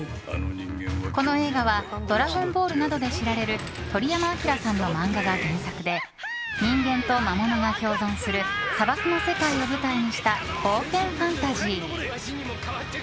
この映画は「ドラゴンボール」などで知られる鳥山明さんの漫画が原作で人間と魔物が共存する砂漠の世界を舞台にした冒険ファンタジー。